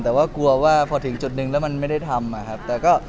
แต่กลัวว่าพอถึงจุดนึงแล้วมันไม่ได้ทำ